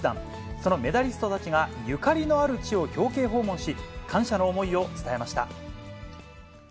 そのメダリストたちが、ゆかりのある地を表敬訪問し、感謝の思いを伝えました。